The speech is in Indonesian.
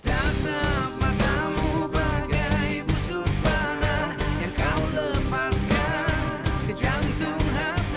aku bagai busur panah yang kau lepaskan di jantung hatiku